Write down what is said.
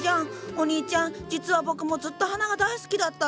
お兄ちゃん実は僕もずっと花が大好きだったんだ。